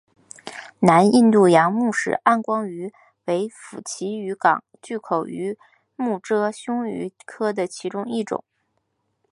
南印度洋穆氏暗光鱼为辐鳍鱼纲巨口鱼目褶胸鱼科的其中一种。